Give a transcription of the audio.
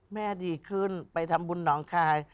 แม่ดีขึ้นไปทำบุญหนองคาย